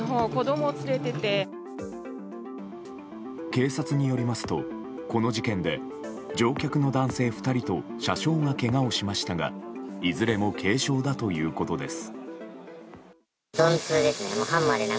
警察によりますとこの事件で、乗客の男性２人と車掌がけがをしましたがいずれも軽傷だということです。